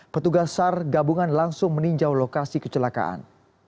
petugas sar gabungan langsung meninjau lokasi kecelakaan